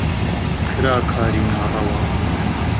کرا کاری ناڕەوا